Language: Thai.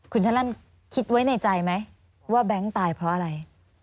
คุณชะล่ำคิดไว้ในใจไหมว่าแบงค์ตายเพราะอะไร